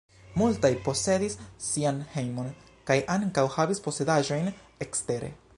Multaj posedis sian hejmon kaj ankaŭ havis posedaĵojn ekstere.